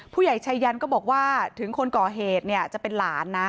ผู้ใหญ่ชัยยันก็บอกว่าถึงคนก่อเหตุเนี่ยจะเป็นหลานนะ